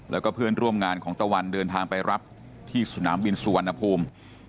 แล้วก็เพื่อนร่วมงานของตะวันเดินทางไปรับที่สนามบินสุวรรณภูมิ